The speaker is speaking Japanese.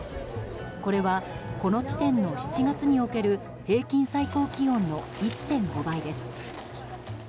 これはこの地点の７月における平均最高気温の１．５倍です。